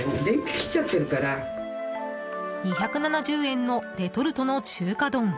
２７０円のレトルトの中華丼。